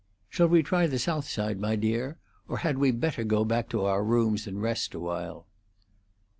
Shall we try the south side, my dear? or had we better go back to our rooms and rest awhile?"